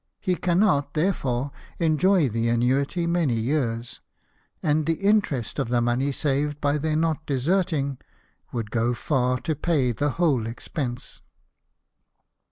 He cannot, therefore, enjoy the annuity many years ; and the interest of the money saved by their not deserting would go far to pay the whole expense."